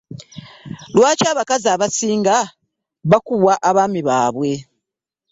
Lwaki abakazi abasinga bakubwa abaami baabwe?